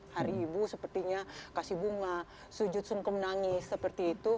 hari ibu sepertinya kasih bunga sujud sungkem nangis seperti itu